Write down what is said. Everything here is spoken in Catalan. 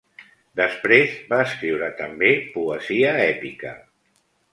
Després, va escriure també poesia èpica.